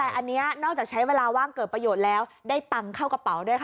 แต่อันนี้นอกจากใช้เวลาว่างเกิดประโยชน์แล้วได้ตังค์เข้ากระเป๋าด้วยค่ะ